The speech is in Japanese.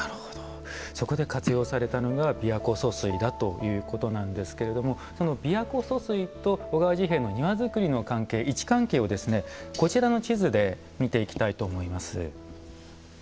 そこで活用されたのが琵琶湖疏水だということなんですけれども琵琶湖疏水と小川治兵衛の庭造りの関係位置関係をこちらの地図で見ていきたいと思います。